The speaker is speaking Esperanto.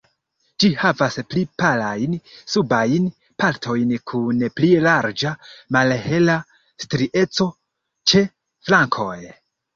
Ĝi havas pli palajn subajn partojn kun pli larĝa, malhela strieco ĉe flankoj.